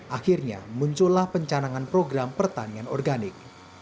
akhirnya muncullah pencanangan program pertanian organik